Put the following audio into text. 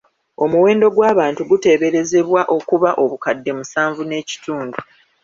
Omuwendo gw’abantu guteeberezebwa okuba obukadde musanvu n’ekitundu.